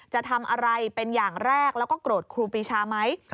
จะทำอะไรเป็นอย่างแรกแล้วก็โกรธครูปีชาไหม